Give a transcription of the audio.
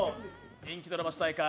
人気ドラマ主題歌